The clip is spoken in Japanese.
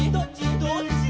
「どっち」